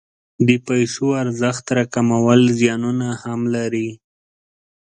د پیسو ارزښت راکمول زیانونه هم لري.